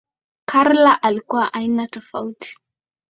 Carla alikuwa aina tofauti